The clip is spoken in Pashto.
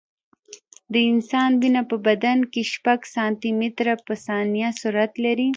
د انسان وینه په بدن کې شپږ سانتي متره په ثانیه سرعت لري.